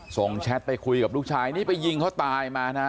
แชทไปคุยกับลูกชายนี่ไปยิงเขาตายมานะ